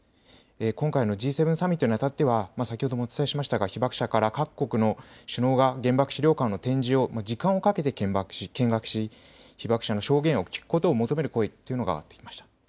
今回のＧ７サミットにあたっては、先ほどもお伝えしましたが、被爆者から各国の首脳が原爆資料館の展示を時間をかけて見学し、被爆者の証言を聞くことを求める声というのが上がってきました。